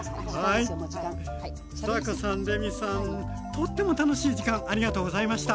とっても楽しい時間ありがとうございました。